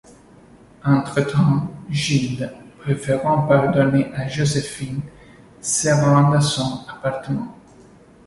Entre-temps, Gilles, préférant pardonner à Joséphine, se rend à son appartement.